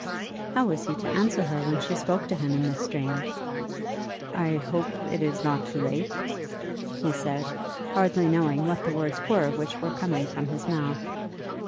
How was he to answer her when she spoke to him in this strain? "I hope it is not too late," he said, hardly knowing what the words were which were coming from his mouth.